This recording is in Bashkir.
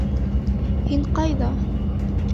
— Һин кайҙа?